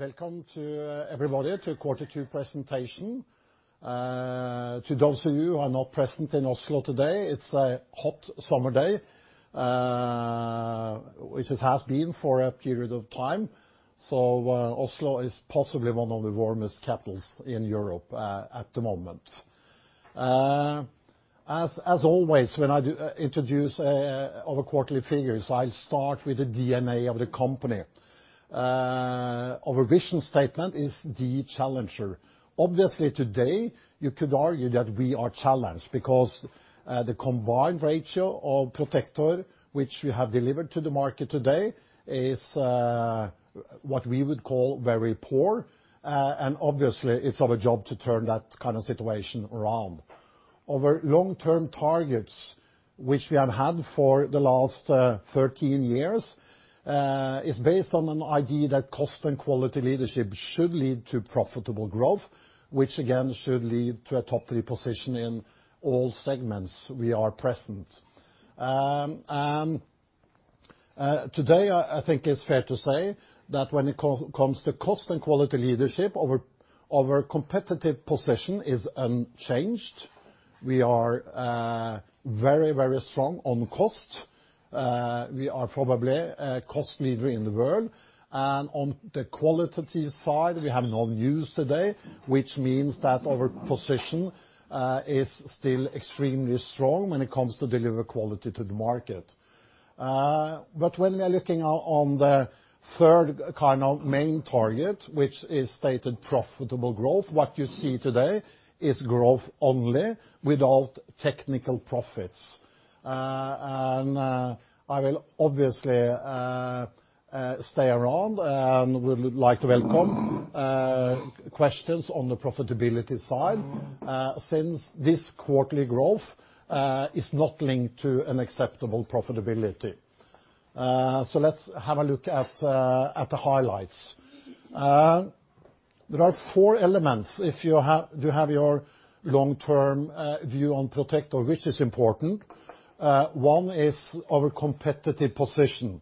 Welcome everybody to the Quarter Two presentation. To those of you who are not present in Oslo today, it's a hot summer day, which it has been for a period of time. Oslo is possibly one of the warmest capitals in Europe at the moment. As always, when I introduce our quarterly figures, I'll start with the DNA of the company. Our vision statement is the challenger. Obviously, today, you could argue that we are challenged because the combined ratio of Protector, which we have delivered to the market today, is what we would call very poor. Obviously, it's our job to turn that kind of situation around. Our long-term targets, which we have had for the last 13 years, is based on an idea that cost and quality leadership should lead to profitable growth, which again should lead to a top three position in all segments we are present. Today, I think it's fair to say that when it comes to cost and quality leadership, our competitive position is unchanged. We are very strong on cost. We are probably a cost leader in the world. On the qualitative side, we have no news today, which means that our position is still extremely strong when it comes to deliver quality to the market. When we are looking on the third main target, which is stated profitable growth, what you see today is growth only without technical profits. I will obviously stay around and would like to welcome questions on the profitability side, since this quarterly growth is not linked to an acceptable profitability. Let's have a look at the highlights. There are four elements if you have your long-term view on Protector, which is important. One is our competitive position.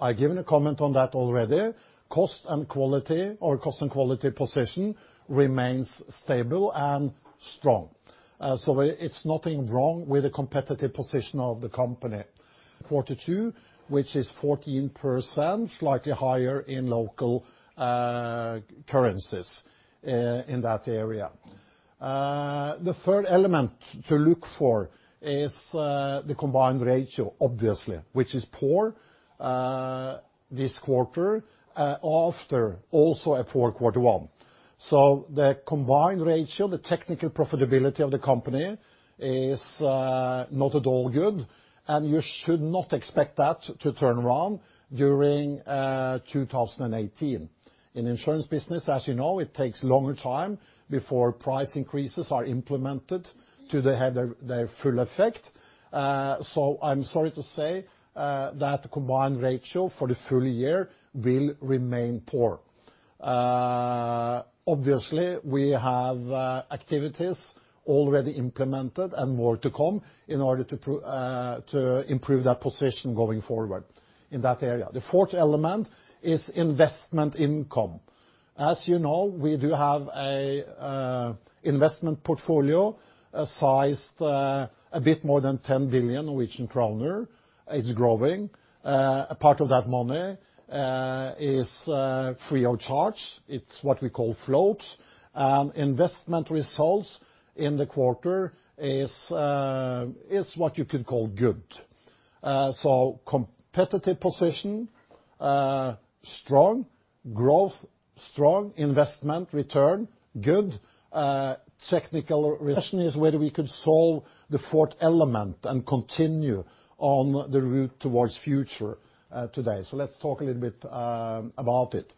I've given a comment on that already. Cost and quality or cost and quality position remains stable and strong. It's nothing wrong with the competitive position of the company. 42, which is 14%, slightly higher in local currencies in that area. The third element to look for is the combined ratio, obviously, which is poor this quarter after also a poor Quarter One. The combined ratio, the technical profitability of the company is not at all good, and you should not expect that to turn around during 2018. In insurance business, as you know, it takes a longer time before price increases are implemented to have their full effect. I'm sorry to say that the combined ratio for the full year will remain poor. Obviously, we have activities already implemented and more to come in order to improve that position going forward in that area. The fourth element is investment income. As you know, we do have an investment portfolio sized a bit more than 10 billion Norwegian kroner. It's growing. A part of that money is free of charge. It's what we call float. Investment results in the quarter is what you could call good. Competitive position, strong growth, strong investment return, good technical is whether we could solve the fourth element and continue on the route towards future today. Let's talk a little bit about it.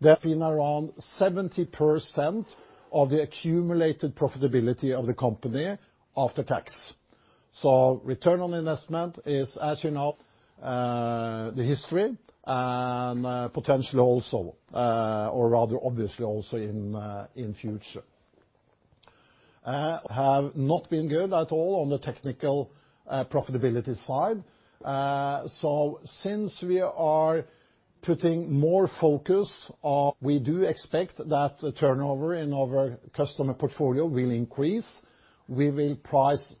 There have been around 70% of the accumulated profitability of the company after tax. Return on investment is, as you know, the history and potential also, or rather obviously also in future. Have not been good at all on the technical profitability side. Since we are putting more focus on we do expect that the turnover in our customer portfolio will increase. We will price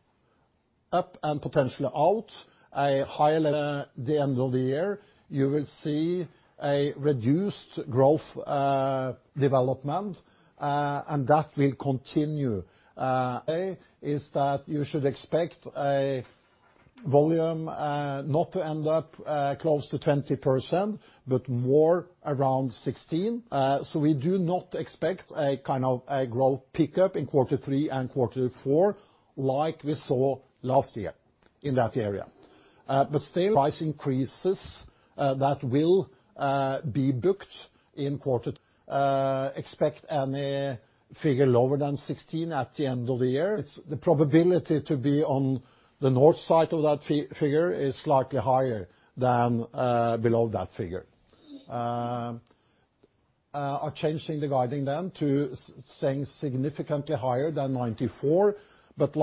up and potentially out a higher the end of the year, you will see a reduced growth development, and that will continue. Is that you should expect a volume, not to end up close to 20%, but more around 16. We do not expect a growth pickup in Quarter Three and Quarter Four like we saw last year in that area. Still, price increases that will be booked in quarter expect any figure lower than 16 at the end of the year. It's the probability to be on the north side of that figure is slightly higher than below that figure. Are changing the guiding then to saying significantly higher than 94. Like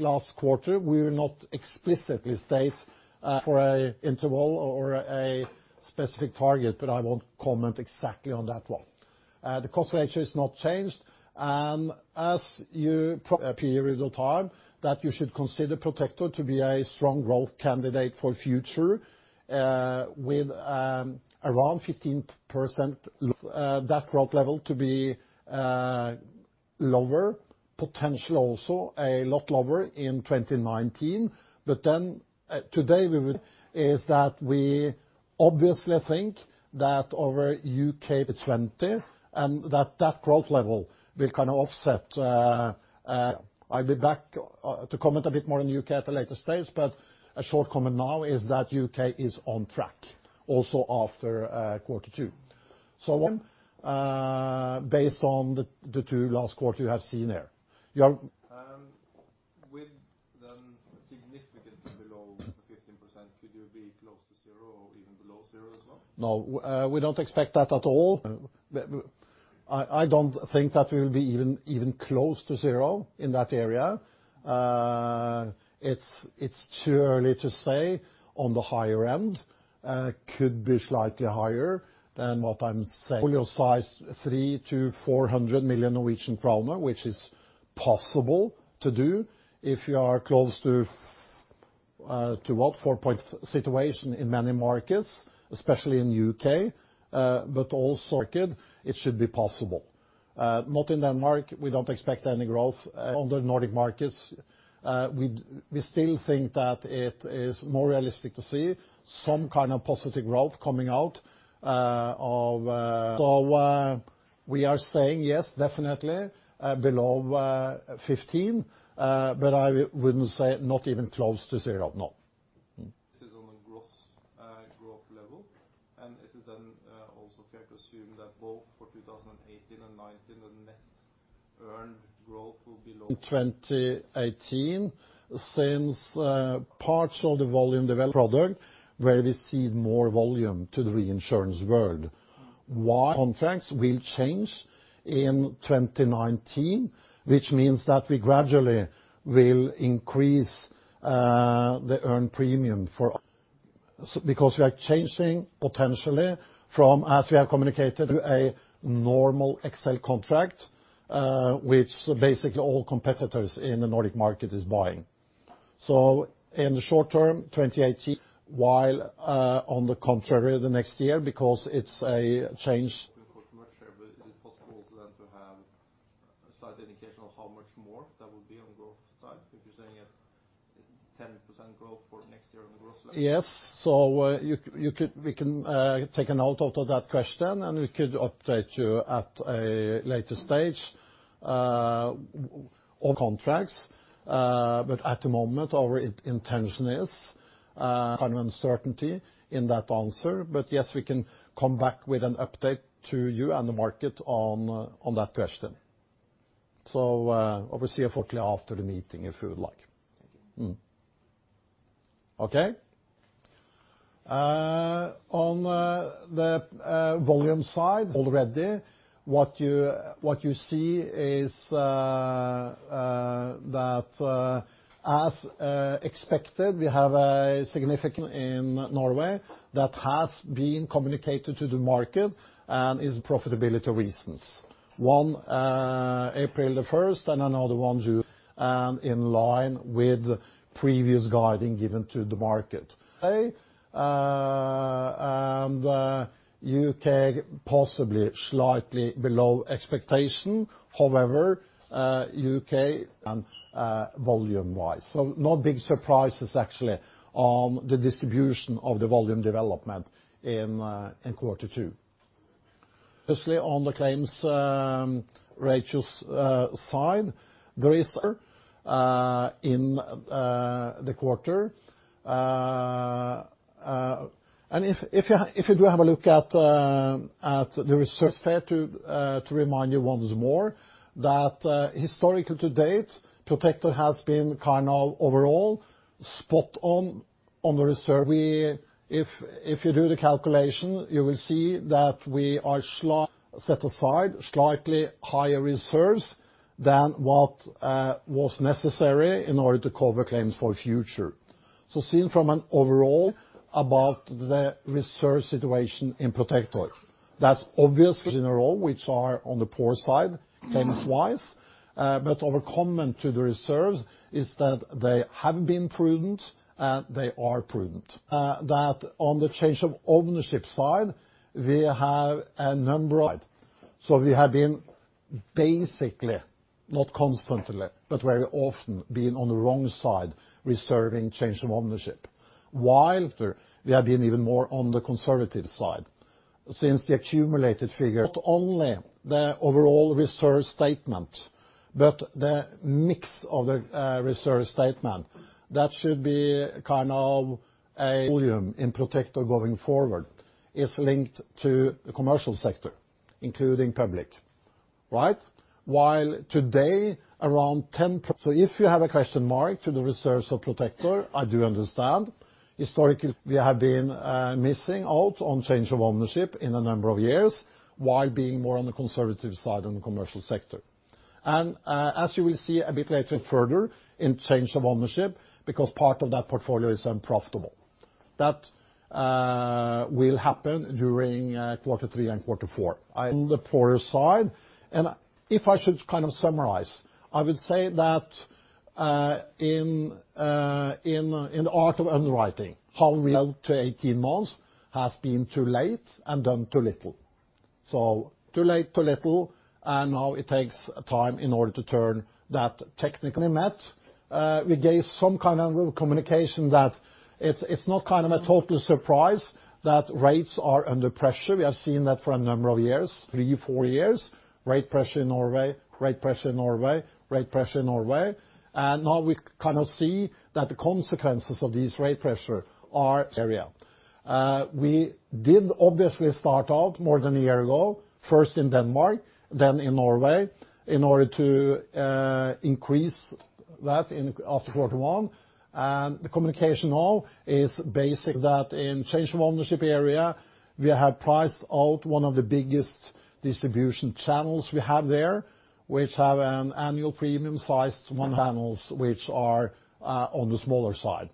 last quarter, we will not explicitly state for an interval or a specific target, but I won't comment exactly on that one. The cost ratio has not changed. A period of time, that you should consider Protector to be a strong growth candidate for future with around 15% that growth level to be lower. Potentially also a lot lower in 2019, today we will Is that we obviously think that our U.K. 20, and that growth level will kind of offset. Yeah. I'll be back to comment a bit more on U.K. at a later stage, a short comment now is that U.K. is on track, also after quarter two. One, based on the two last quarter you have seen there. With the significantly below the 15%, could you be close to zero or even below zero as well? No, we don't expect that at all. I don't think that we will be even close to zero in that area. It's too early to say. On the higher end, could be slightly higher than what I'm saying. Portfolio size three to 400 million Norwegian kroner, which is possible to do if you are close to what, four point situation in many markets, especially in the U.K., but also market, it should be possible. Not in Denmark, we don't expect any growth. On the Nordic markets, we still think that it is more realistic to see some kind of positive growth coming out of. We are saying, yes, definitely below 15%, but I wouldn't say not even close to zero. No. This is on the growth level. Is it then also fair to assume that both for 2018 and 2019, the net earned growth will be low? In 2018, since parts of the volume product, where we cede more volume to the reinsurance world. Contracts will change in 2019, which means that we gradually will increase the earned premium for. Because we are changing potentially from, as we have communicated, to a normal excess of loss contract, which basically all competitors in the Nordic market is buying. In the short term, 2018. On the contrary, the next year, because it's a change. Of course, commercial. Is it possible for them to have a slight indication of how much more that would be on growth side? If you're saying a 10% growth for next year on the growth level. Yes. We can take a note of that question and we could update you at a later stage. All contracts. At the moment, our intention is kind of uncertainty in that answer. Yes, we can come back with an update to you and the market on that question. Obviously, hopefully after the meeting if you would like. Thank you. On the volume side already, what you see is that, as expected, we have a significant in Norway that has been communicated to the market and is profitability reasons. One, April the 1st, and another one June. In line with previous guiding given to the market. U.K. possibly slightly below expectation. However, U.K. volume-wise. Not big surprises actually on the distribution of the volume development in quarter 2. Obviously on the claims ratios side, there is in the quarter. If you do have a look at the reserve study. It's fair to remind you once more that historically to date, Protector has been kind of overall spot on on the reserve. If you do the calculation, you will see that we are set aside slightly higher reserves than what was necessary in order to cover claims for future. Seen from an overall about the reserve situation in Protector. That's obviously in general, which are on the poor side claims-wise. Our comment to the reserves is that they have been prudent and they are prudent. On the Change of Ownership side, we have a number of. We have been basically, not constantly, but very often been on the wrong side reserving Change of Ownership. While after, we have been even more on the conservative side since the accumulated figure. Not only the overall reserve statement, but the mix of the reserve statement. That should be kind of a volume in Protector going forward is linked to the commercial sector, including public. Right? While today, around 10%. If you have a question mark to the reserves of Protector, I do understand. Historically, we have been missing out on Change of Ownership in a number of years, while being more on the conservative side on the commercial sector. As you will see a bit later further in Change of Ownership, because part of that portfolio is unprofitable. That will happen during quarter three and quarter four. On the poorer side, if I should summarize, I would say that in the art of underwriting, 12 to 18 months has been too late and done too little. Too late, too little, and now it takes time in order to turn that technically met. We gave some kind of communication that it's not a total surprise that rates are under pressure. We have seen that for a number of years, three, four years. Rate pressure in Norway, rate pressure in Norway, rate pressure in Norway. Now we see that the consequences of this rate pressure are area. We did obviously start out more than a year ago, first in Denmark, then in Norway, in order to increase that after quarter one. The communication now is that in Change of Ownership area, we have priced out one of the biggest distribution channels we have there, which have an annual premium sized channels which are on the smaller side.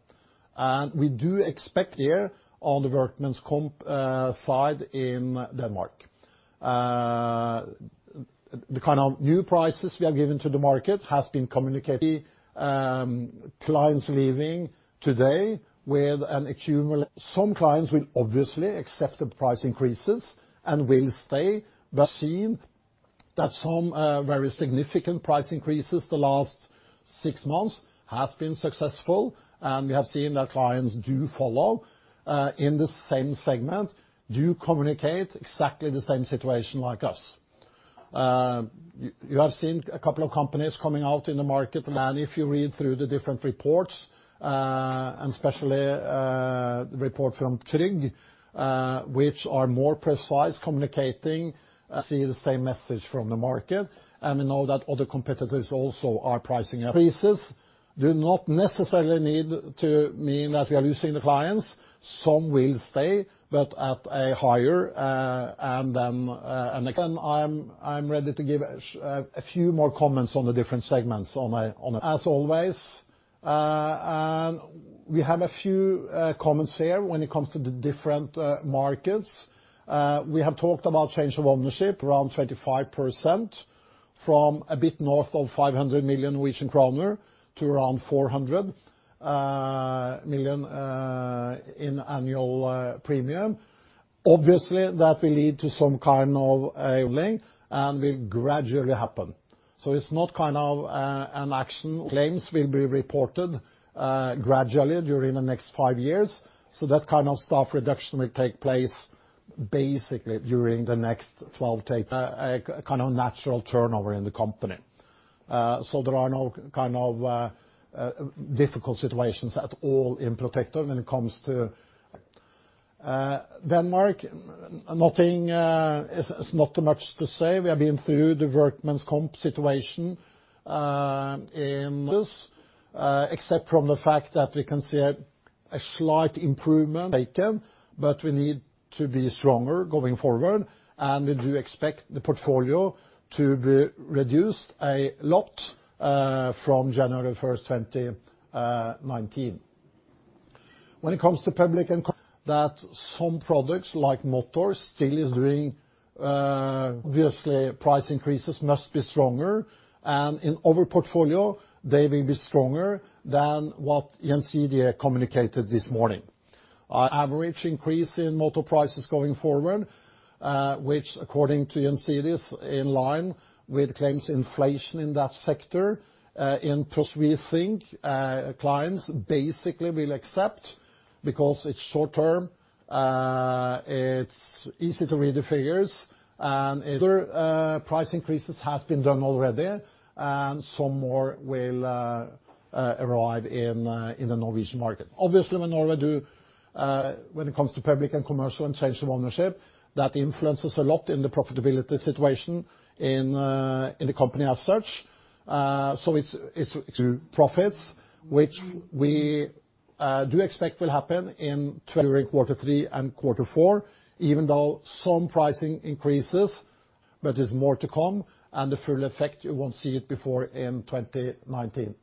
We do expect here on the Workmen's Comp side in Denmark. The kind of new prices we have given to the market has been clients leaving today with an. Some clients will obviously accept the price increases and will stay. Seen that some very significant price increases the last six months has been successful, we have seen that clients do follow in the same segment, do communicate exactly the same situation like us. You have seen a couple of companies coming out in the market. If you read through the different reports, especially report from Tryg, which are more precise, see the same message from the market, we know that other competitors also are pricing up. Increases do not necessarily need to mean that we are losing the clients. Some will stay, but at a higher. I'm ready to give a few more comments on the different segments. As always, we have a few comments here when it comes to the different markets. We have talked about Change of Ownership, around 25% from a bit north of 500 million Norwegian kroner to around 400 million in annual premium. Obviously, that will lead to some kind of a leveling and will gradually happen. It's not. Claims will be reported gradually during the next five years. That kind of staff reduction will take place basically during the next 12 to 18. A kind of natural turnover in the company. There are no difficult situations at all in Protector when it comes to Denmark. It's not too much to say. We have been through the Workmen's Comp situation in this, except from the fact that we can see a slight improvement taken, but we need to be stronger going forward, and we do expect the portfolio to be reduced a lot from January 1st, 2019. When it comes to public and that some products like Motors still is doing. Obviously, price increases must be stronger. In our portfolio, they will be stronger than what NCD communicated this morning. Average increase in Motor prices going forward, which according to NCD, is in line with claims inflation in that sector. In Plus, we think clients basically will accept because it is short-term, it is easy to read the figures, and it is. Price increases has been done already, and some more will arrive in the Norwegian market. Obviously, when Norway, when it comes to public and commercial and Change of Ownership, that influences a lot in the profitability situation in the company as such. It is to profits which we do expect will happen in during quarter three and quarter four, even though some pricing increases. There is more to come, and the full effect, you will not see it before in 2019.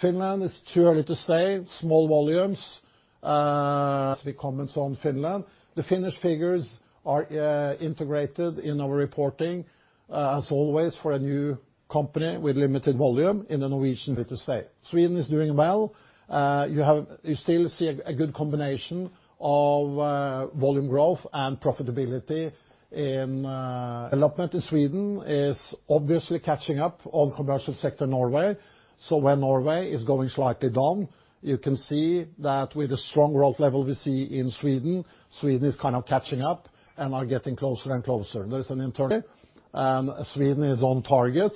Finland is too early to say. Small volumes. Comments on Finland. The Finnish figures are integrated in our reporting. As always, for a new company with limited volume in the Norwegian. Too early to say. Sweden is doing well. You still see a good combination of volume growth and profitability in development in Sweden is obviously catching up on commercial sector Norway. When Norway is going slightly down, you can see that with the strong growth level we see in Sweden is catching up and are getting closer and closer. There is an. Sweden is on target.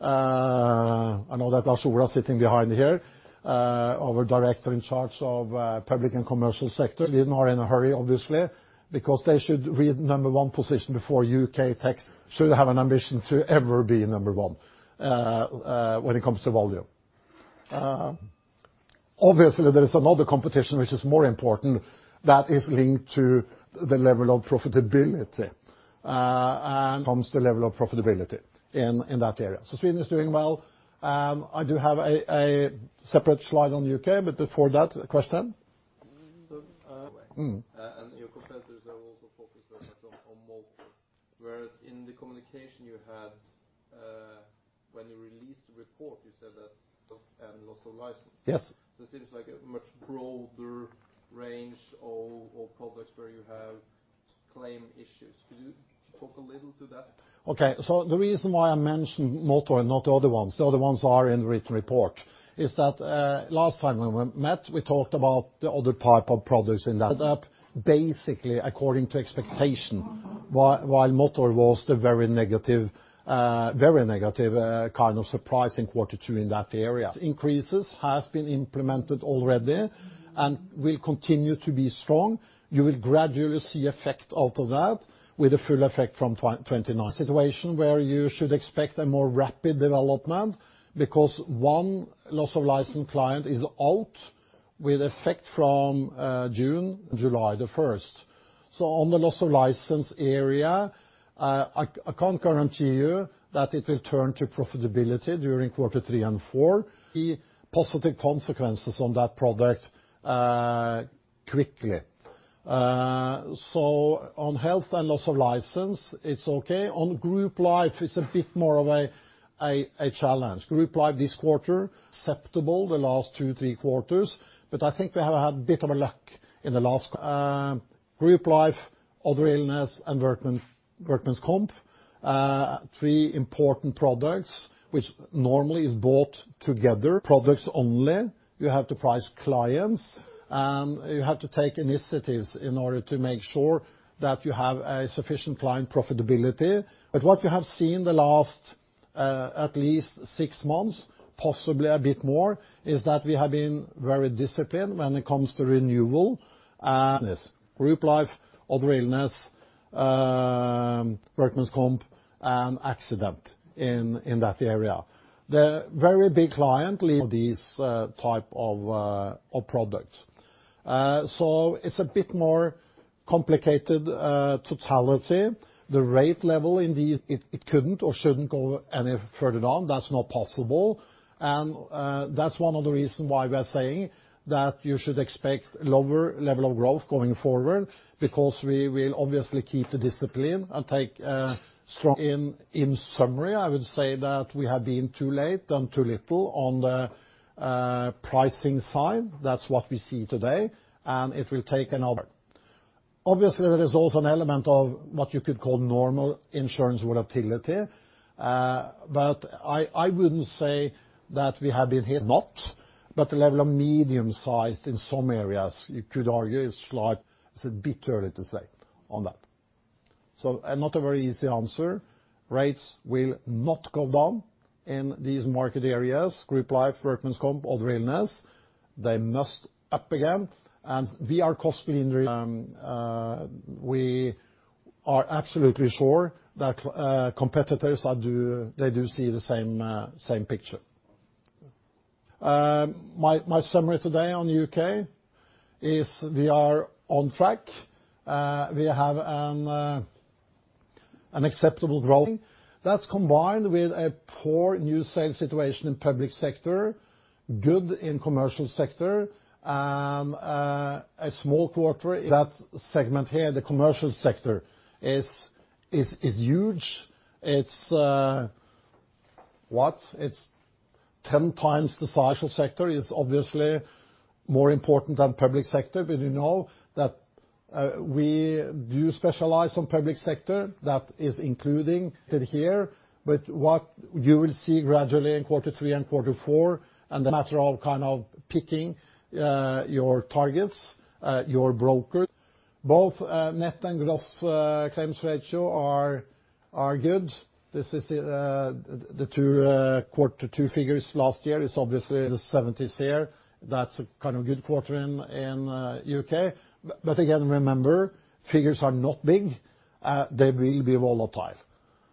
I know that Åshild sitting behind here, our director in charge of public and commercial sector. Sweden are in a hurry, obviously, because they should read number one position before U.K. takes should have an ambition to ever be number one when it comes to volume. Obviously, there is another competition which is more important that is linked to the level of profitability. When it comes to the level of profitability in that area. Sweden is doing well. I do have a separate slide on the U.K., before that, a question? Your competitors are also focused very much on Motors. Whereas in the communication you had when you released the report, you said that Loss of License. Yes. It seems like a much broader range of products where you have claim issues. Could you talk a little to that? The reason why I mentioned Motors and not the other ones, the other ones are in the written report, is that last time when we met, we talked about the other type of products in that up basically according to expectation. While Motors was the very negative kind of surprising quarter two in that area. Increases has been implemented already and will continue to be strong. You will gradually see effect out of that with a full effect from 2019. Situation where you should expect a more rapid development because one Loss of License client is out with effect from June. On July 1st. On the Loss of License area, I can guarantee you that it will turn to profitability during quarter three and four. See positive consequences on that product, quickly. On health and Loss of License, it's okay. On Group Life, it's a bit more of a challenge. Group Life this quarter acceptable the last two, three quarters. I think we have had a bit of luck in the last Group Life, Other Illness, and Workmen's Comp, three important products, which normally is bought together. Products only, you have to price clients, and you have to take initiatives in order to make sure that you have a sufficient client profitability. What you have seen the last, at least six months, possibly a bit more, is that we have been very disciplined when it comes to renewal Group Life, Other Illness, Workmen's Comp, and Accident in that area. The very big client these type of products. It's a bit more complicated totality. The rate level in these, it couldn't or shouldn't go any further down. That's not possible. That's one of the reason why we are saying that you should expect lower level of growth going forward, because we will obviously keep the discipline and take strong. In summary, I would say that we have been too late and too little on the pricing side. That's what we see today. Obviously, there is also an element of what you could call normal insurance volatility. I wouldn't say that we have been hit but the level of medium-sized in some areas, you could argue, is slight. It's a bit early to say on that. Not a very easy answer. Rates will not go down in these market areas, Group Life, Workmen's Comp, Other Illness. They must up again. We are costly in we are absolutely sure that competitors, they do see the same picture. My summary today on the U.K. is we are on track. We have an acceptable growth. That is combined with a poor new sales situation in public sector, good in commercial sector. The commercial sector is huge. It is 10 times the size of sector. It is obviously more important than public sector, but you know that we do specialize on public sector. That is including here. What you will see gradually in Q3 and Q4, and the matter of kind of picking your targets. Both net and gross claims ratio are good. These are the Q2 figures last year, which is obviously the 70s here. That is a kind of good quarter in the U.K. Again, remember, figures are not big. They will be volatile.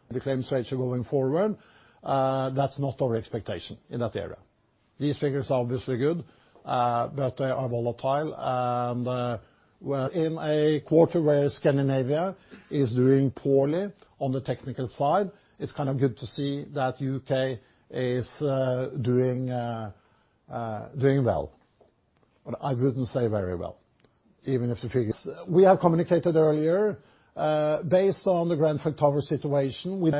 The claim ratio going forward, that is not our expectation in that area. These figures are obviously good. They are volatile. In a quarter where Scandinavia is doing poorly on the technical side, it is kind of good to see that U.K. is doing well. I would not say very well, even if the figures. We have communicated earlier, based on the Grenfell Tower situation, we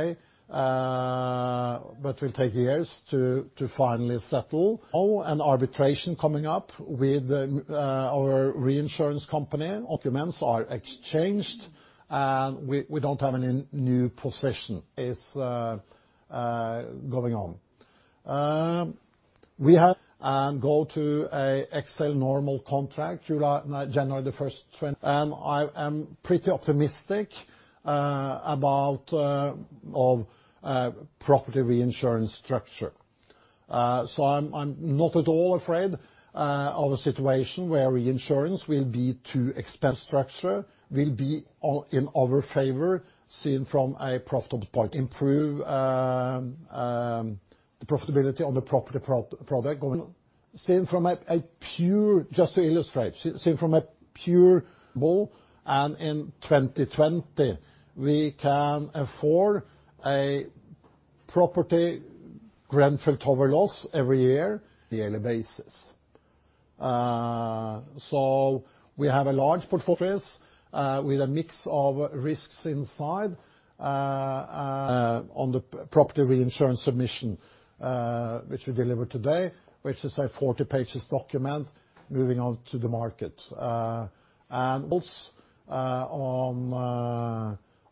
will take years to finally settle. Arbitration coming up with our reinsurance company. Documents are exchanged, and we do not have any new position. It is going on. We go to an excess of loss normal contract January the 1st, 2020. I am pretty optimistic about the Property reinsurance structure. I am not at all afraid of a situation where reinsurance will be too expensive. The structure will be in our favor seen from a profitable point. Improve the profitability on the Property product going forward. Seen from a pure, just to illustrate, in 2020, we can afford a Property Grenfell Tower loss every year on a yearly basis. We have large portfolios with a mix of risks inside. On the Property reinsurance submission which we delivered today, which is a 40-page document moving on to the market. Also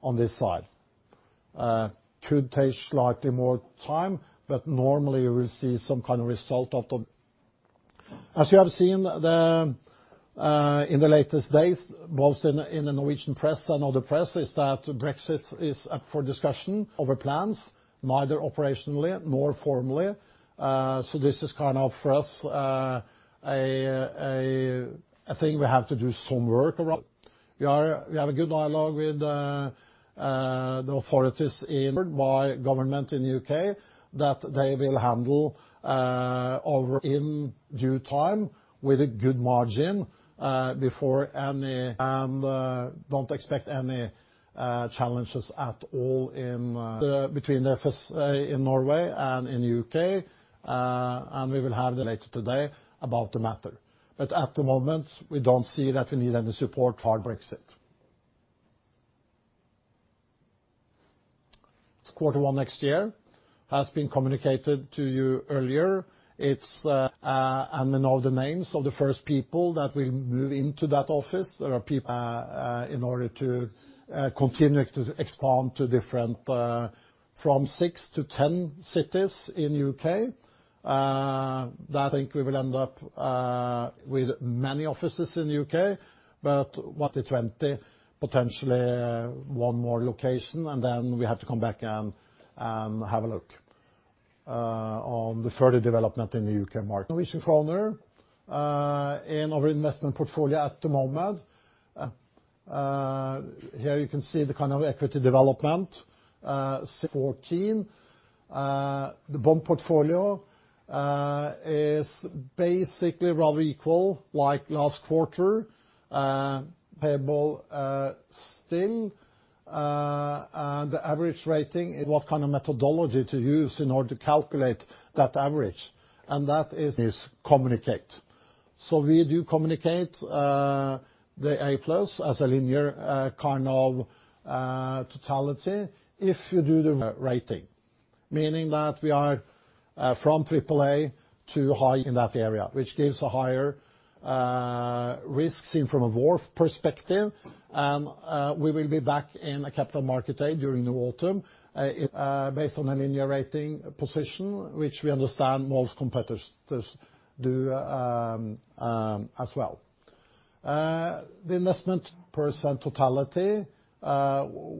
on this side. Could take slightly more time, but normally we see some kind of result. As you have seen in the latest days, both in the Norwegian press and other press, Brexit is up for discussion. Our plans, neither operationally nor formally. This is kind of for us, a thing we have to do some work around. We have a good dialogue with the authorities in the U.K. government that they will handle over in due time with a good margin before any. Do not expect any challenges at all between the FSA in Norway and in the U.K. We will have later today about the matter. At the moment, we do not see that we need any support for a hard Brexit. Q1 next year has been communicated to you earlier. It is. Then all the names of the first people that will move into that office. There are people in order to continue to expand to six to 10 cities in the U.K. I think we will end up with many offices in the U.K., but 20 potentially one more location. Then we have to come back and have a look on the further development in the U.K. market. Norwegian kroner in our investment portfolio at the moment. Here you can see the kind of equity development. The bond portfolio is basically rather equal, like last quarter. Payable still. The average rating is what kind of methodology to use in order to calculate that average, and that is communicated. We do communicate the A+ as a linear kind of totality if you do the rating. Meaning that we are from AAA to high in that area, which gives a higher risk seen from a WARF perspective. We will be back in a capital market day during the autumn, based on a linear rating position, which we understand most competitors do as well. The investment % totality,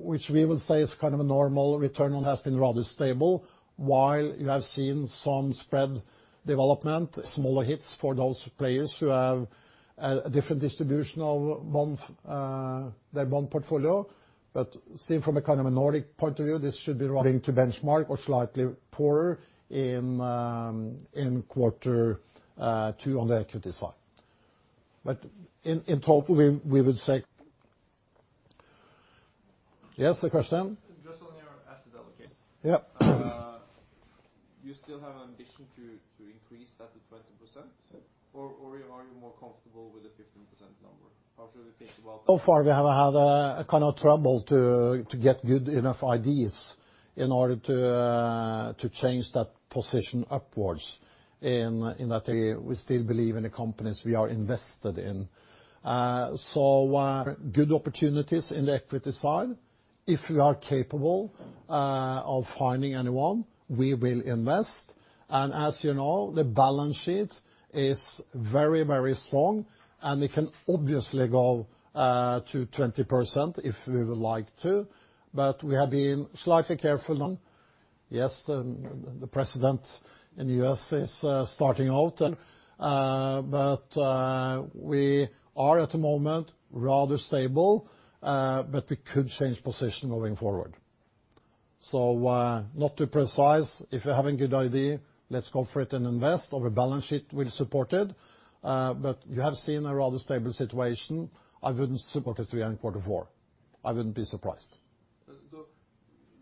which we will say is kind of a normal return on, has been rather stable while you have seen some spread development, smaller hits for those players who have a different distribution of their bond portfolio. Seen from a kind of a Nordic point of view, this should be rather to benchmark or slightly poorer in quarter two on the equity side. In total, we would say, Yes, the question? Just on your asset allocation. Yeah. You still have ambition to increase that to 20% or are you more comfortable with the 15% number? How should we think about that? Far we have had a kind of trouble to get good enough ideas in order to change that position upwards in that area. We still believe in the companies we are invested in. Good opportunities in the equity side. If you are capable of finding anyone, we will invest. As you know, the balance sheet is very strong and it can obviously go to 20% if we would like to. We have been slightly careful on. Yes, the president in the U.S. is starting out and we are at the moment rather stable, but we could change position moving forward. Not to precise. If you have a good idea, let's go for it and invest. Our balance sheet will support it. You have seen a rather stable situation. I wouldn't support it to be in quarter four. I wouldn't be surprised.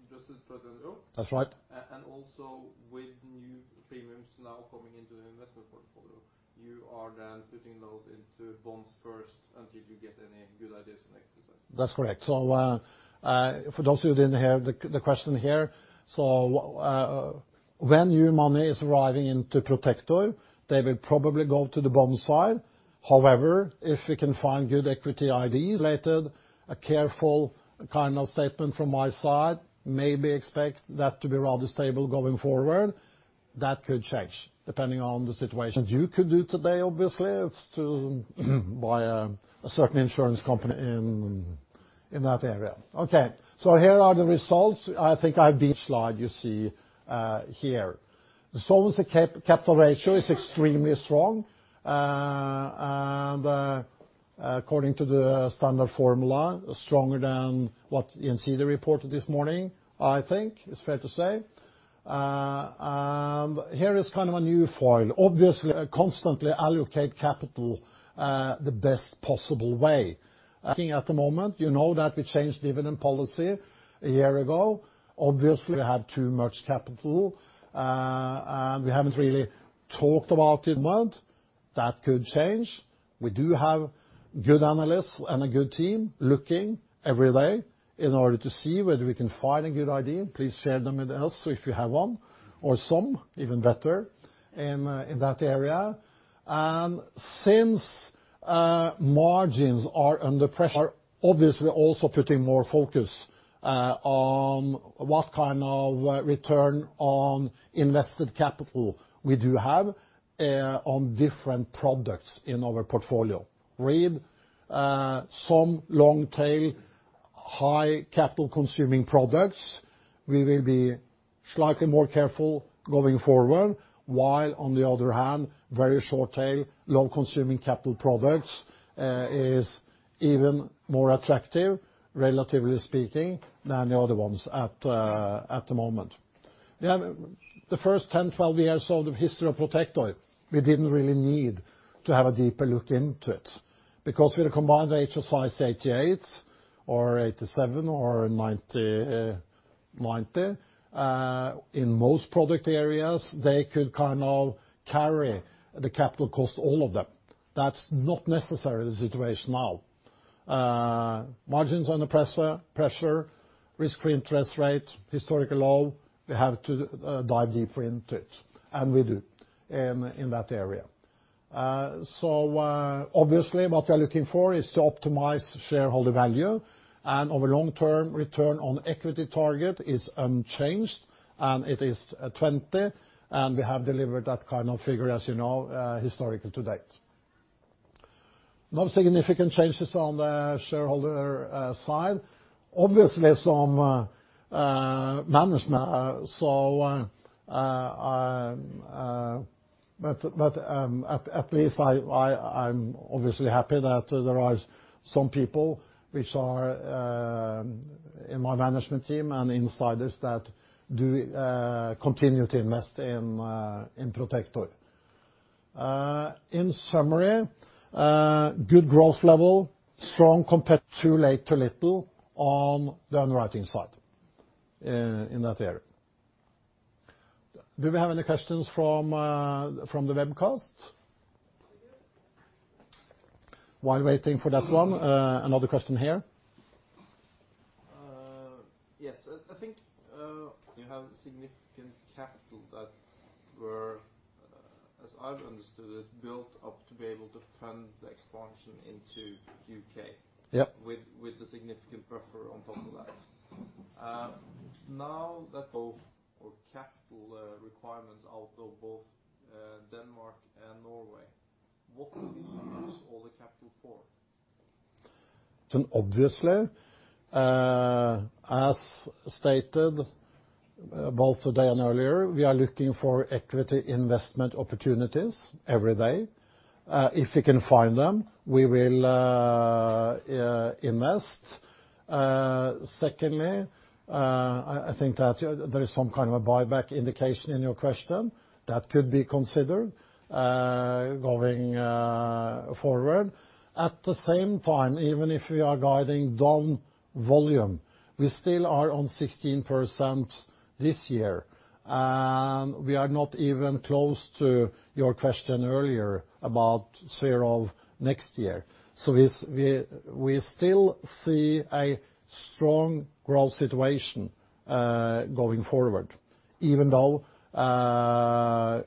Just to That's right. Also with new premiums now coming into the investment portfolio, you are putting those into bonds first until you get any good ideas from the equity side? That's correct. For those who didn't hear the question here. When new money is arriving into Protector, they will probably go to the bond side. However, if we can find good equity ideas later, a careful kind of statement from my side, maybe expect that to be rather stable going forward. That could change depending on the situation. You could do today, obviously. It's to buy a certain insurance company in that area. Okay, here are the results. I think I beat slide you see here. Solvency capital ratio is extremely strong, and according to the standard formula, stronger than what you can see they reported this morning, I think it's fair to say. Here is a new foil. Obviously, constantly allocate capital the best possible way. Looking at the moment, you know that we changed dividend policy a year ago. Obviously, we had too much capital. We haven't really talked about it much. That could change. We do have good analysts and a good team looking every day in order to see whether we can find a good idea. Please share them with us if you have one, or some, even better, in that area. Since margins are under pressure, we are obviously also putting more focus on what kind of return on invested capital we do have on different products in our portfolio. Read, some long tail, high capital consuming products, we will be slightly more careful going forward, while on the other hand, very short tail, low consuming capital products is even more attractive, relatively speaking, than the other ones at the moment. The first 10, 12 years of the history of Protector, we didn't really need to have a deeper look into it, because with a combined ratio size 88 or 87 or 90 in most product areas, they could carry the capital cost, all of them. That's not necessarily the situation now. Margins under pressure, risk-free interest rate, historical low, we have to dive deeper into it. We do in that area. Obviously, what we are looking for is to optimize shareholder value, and our long-term return on equity target is unchanged, and it is 20, and we have delivered that kind of figure, as you know, historically to date. No significant changes on the shareholder side. Obviously, some management. At least I'm obviously happy that there are some people which are in my management team and insiders that do continue to invest in Protector. In summary, good growth level, strong compared to later little on the underwriting side in that area. Do we have any questions from the webcast? We do. While waiting for that one, another question here. Yes. I think you have significant capital that were, as I've understood it, built up to be able to fund the expansion into U.K. Yep. With the significant buffer on top of that. Now that both our capital requirements out of both Denmark and Norway, what will you use all the capital for? Obviously, as stated both today and earlier, we are looking for equity investment opportunities every day. If we can find them, we will invest. Secondly, I think that there is some kind of a buyback indication in your question. That could be considered going forward. At the same time, even if we are guiding down volume, we still are on 16% this year, and we are not even close to your question earlier about zero of next year. We still see a strong growth situation going forward, even though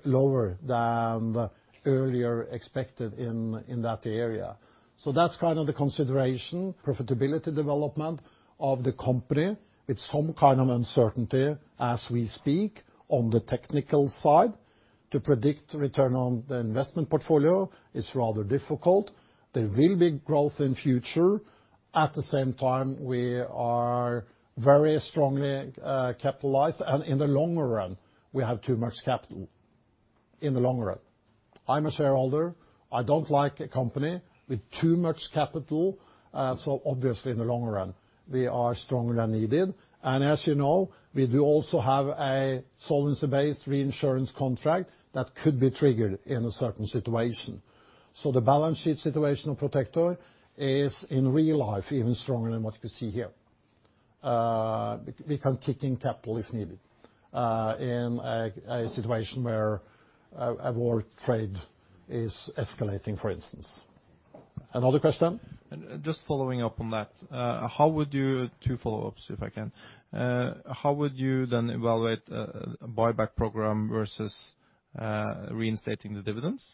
lower than earlier expected in that area. That's the consideration. Profitability development of the company with some kind of uncertainty as we speak on the technical side. To predict return on the investment portfolio is rather difficult. There will be growth in future. At the same time, we are very strongly capitalized, and in the longer run, we have too much capital. In the long run, I'm a shareholder. I don't like a company with too much capital. Obviously, in the long run, we are stronger than needed. As you know, we do also have a solvency-based reinsurance contract that could be triggered in a certain situation. The balance sheet situation of Protector is in real life even stronger than what you see here. We can kick in capital if needed, in a situation where a world trade is escalating, for instance. Another question? Just following up on that. Two follow-ups, if I can. How would you then evaluate a buyback program versus reinstating the dividends?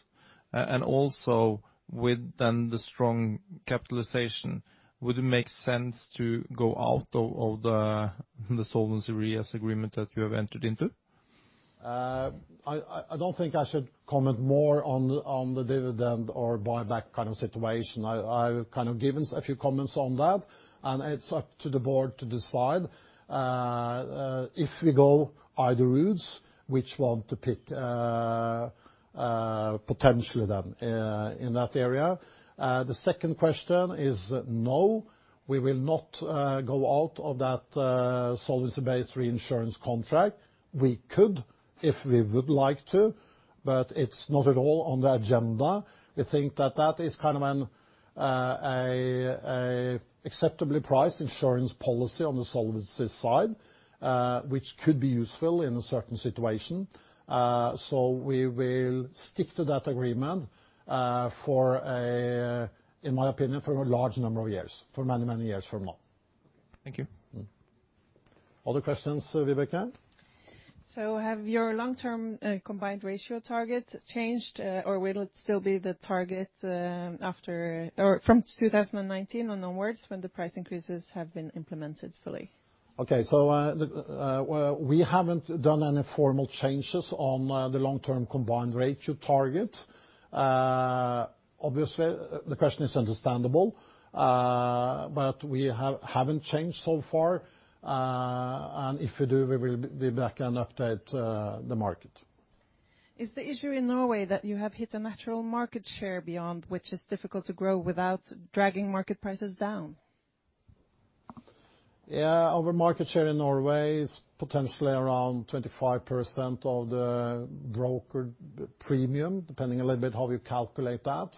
Also, with then the strong capitalization, would it make sense to go out of all the solvency re- agreement that you have entered into? I don't think I should comment more on the dividend or buyback kind of situation. I've given a few comments on that, and it's up to the board to decide. If we go either routes, which one to pick potentially then, in that area. The second question is no, we will not go out of that solvency-based reinsurance contract. We could, if we would like to, but it's not at all on the agenda. We think that that is an acceptably priced insurance policy on the solvency side, which could be useful in a certain situation. We will stick to that agreement, in my opinion, for a large number of years. For many, many years from now. Thank you. Other questions, Vibeke? Have your long-term combined ratio targets changed, or will it still be the target from 2019 and onwards, when the price increases have been implemented fully? Okay. We haven't done any formal changes on the long-term combined ratio target. Obviously, the question is understandable. We haven't changed so far. If we do, we will be back and update the market. Is the issue in Norway that you have hit a natural market share beyond which is difficult to grow without dragging market prices down? Yeah. Our market share in Norway is potentially around 25% of the broker premium, depending a little bit how you calculate that.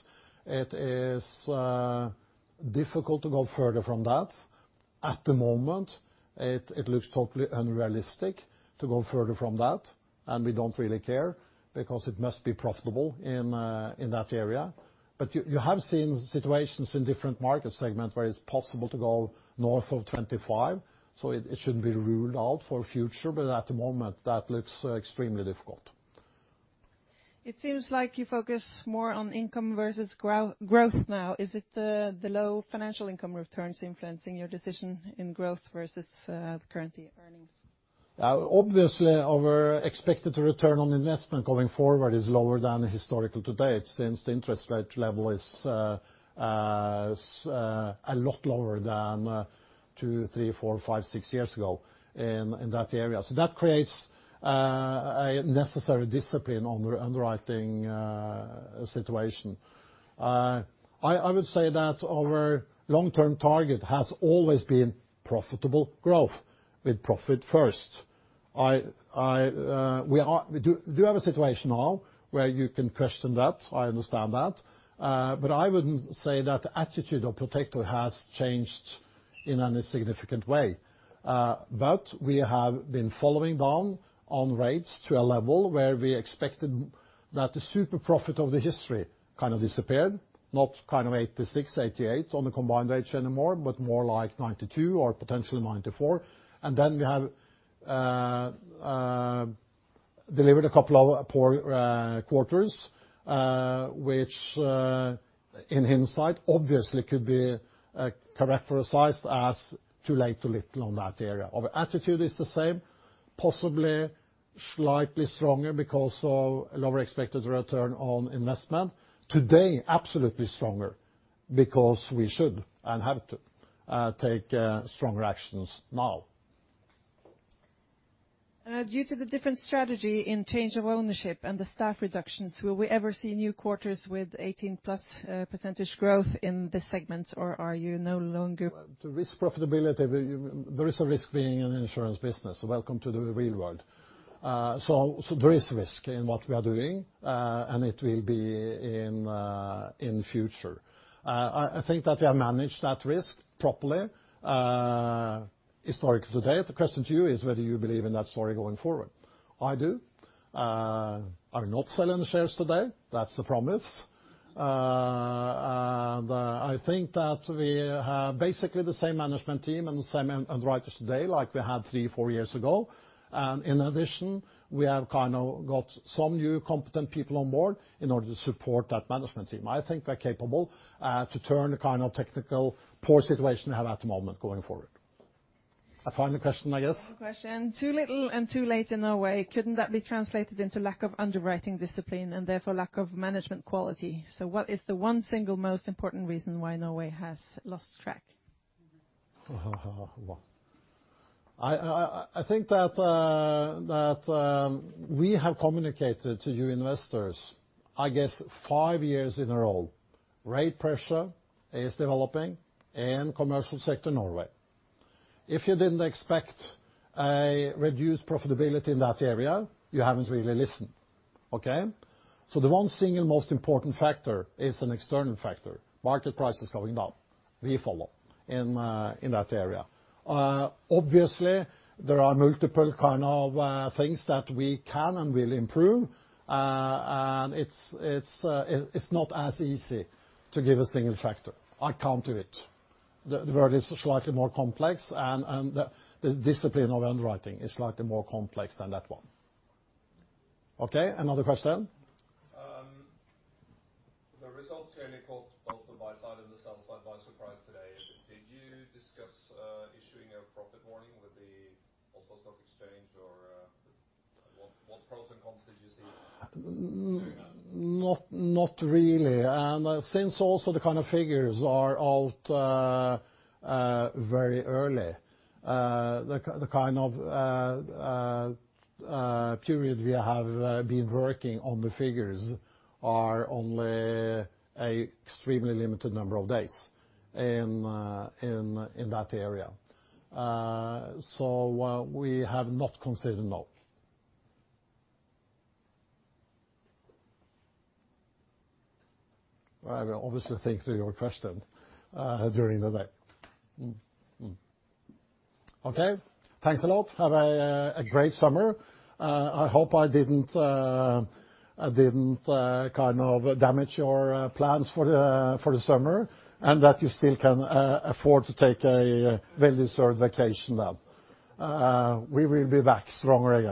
It is difficult to go further from that. At the moment, it looks totally unrealistic to go further from that. We don't really care because it must be profitable in that area. You have seen situations in different market segments where it's possible to go north of 25. It shouldn't be ruled out for future. At the moment that looks extremely difficult. It seems like you focus more on income versus growth now. Is it the low financial income returns influencing your decision in growth versus the current year earnings? Obviously, our expected return on investment going forward is lower than the historical to date, since the interest rate level is a lot lower than two, three, four, five, six years ago in that area. That creates a necessary discipline on the underwriting situation. I would say that our long-term target has always been profitable growth, with profit first. We do have a situation now where you can question that. I understand that. I wouldn't say that the attitude of Protector has changed in any significant way. We have been following down on rates to a level where we expected that the super profit of the history kind of disappeared, not kind of 86, 88 on the combined rates anymore, but more like 92 or potentially 94. We have delivered a couple of poor quarters, which, in hindsight, obviously could be characterized as too late, too little on that area. Our attitude is the same, possibly slightly stronger because of lower expected return on investment. Today, absolutely stronger because we should and have to take stronger actions now. Due to the different strategy in Change of Ownership and the staff reductions, will we ever see new quarters with 18%+ growth in this segment, or are you no longer- The risk profitability, there is a risk being in the insurance business. Welcome to the real world. There is risk in what we are doing, and it will be in future. I think that we have managed that risk properly, historically to date. The question to you is whether you believe in that story going forward. I do. I'm not selling the shares today. That's a promise. I think that we have basically the same management team and the same underwriters today like we had three, four years ago. In addition, we have got some new competent people on board in order to support that management team. I think we are capable to turn the technical, poor situation we have at the moment, going forward. A final question, I guess. One question. Too little and too late in Norway, couldn't that be translated into lack of underwriting discipline and therefore lack of management quality? What is the one single most important reason why Norway has lost track? I think that we have communicated to you investors, I guess 5 years in a row, rate pressure is developing in commercial sector Norway. If you didn't expect a reduced profitability in that area, you haven't really listened. Okay. The one single most important factor is an external factor. Market price is going down. We follow in that area. Obviously, there are multiple kind of things that we can and will improve. It's not as easy to give a single factor. I can't do it. The world is slightly more complex, and the discipline of underwriting is slightly more complex than that one. Okay, another question. The results clearly caught both the buy side and the sell side by surprise today. Did you discuss issuing a profit warning with the Oslo Stock Exchange or what pros and cons did you see in doing that? Not really. Since also the kind of figures are out very early, the kind of period we have been working on the figures are only a extremely limited number of days in that area. We have not considered, no. I will obviously think through your question during the day. Okay. Thanks a lot. Have a great summer. I hope I didn't damage your plans for the summer, and that you still can afford to take a well-deserved vacation now. We will be back stronger again